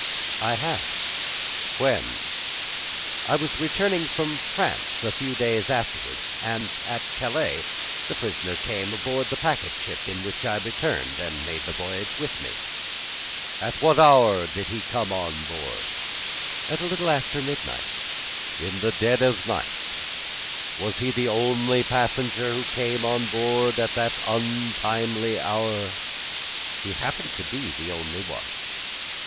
"I have." "When?" "I was returning from France a few days afterwards, and, at Calais, the prisoner came on board the packet ship in which I returned, and made the voyage with me." "At what hour did he come on board?" "At a little after midnight." "In the dead of the night. Was he the only passenger who came on board at that untimely hour?" "He happened to be the only one."